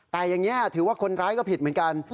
แต่อย่างนี้ถือว่าคนร้ายก็ผิดเหมือนกัน